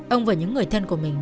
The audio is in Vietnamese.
ông và những người thân của mình